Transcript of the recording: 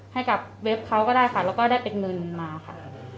ให้กับเว็บเขาก็ได้ค่ะแล้วก็ได้เป็นเงินมาค่ะ